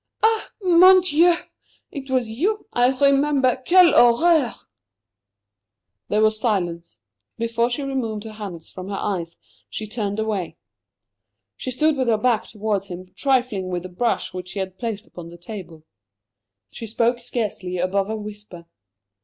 "Ah, mon Dieu! It was you I remember. Quelle horreur!" There was silence. Before she removed her hands from her eyes she turned away. She stood with her back towards him, trifling with a brush which he had placed upon the table. She spoke scarcely above a whisper.